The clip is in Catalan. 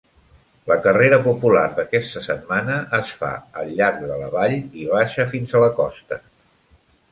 La carrera popular d'aquesta setmana es fa al llarg de la vall i baixa fins a la costa.